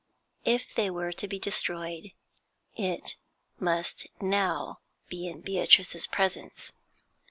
If they were to be destroyed, it must now be in Beatrice's presence.